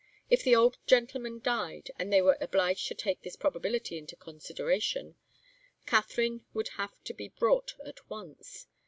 If the old gentleman died, and they were obliged to take this probability into consideration, Katharine would have to be brought at once.